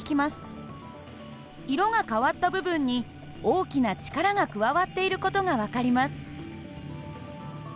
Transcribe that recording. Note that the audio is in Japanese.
色が変わった部分に大きな力が加わっている事が分かります。